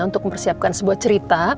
untuk mempersiapkan sebuah cerita